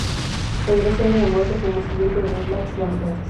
Regresa de la muerte como sirviente de los Black Lanterns.